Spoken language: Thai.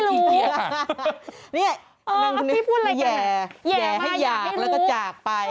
นี่พี่แหย่แหย่ให้อยากแล้วก็จากไป